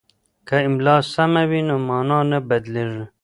که املا سمه وي نو مانا نه بدلیږي.